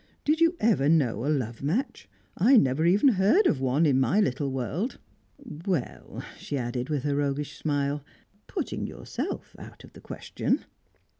Did you ever know a love match? I never even heard of one, in my little world. Well," she added, with her roguish smile, "putting yourself out of the question."